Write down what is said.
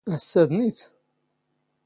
ⴰⵙⵙ ⴰⴷ ⵏⵉⵜ?